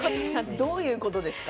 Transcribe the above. どういうことですか？